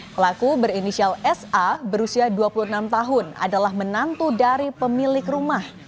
pelaku berinisial sa berusia dua puluh enam tahun adalah menantu dari pemilik rumah